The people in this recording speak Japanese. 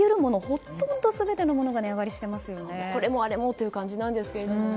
ほとんど全てのものがこれも、あれもという感じですが。